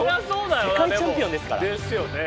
世界チャンピオンですから！ですよね。